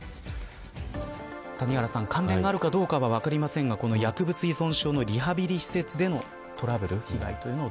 谷原さん、関連があるかどうか分かりませんが薬物依存症のリハビリ施設でのトラブル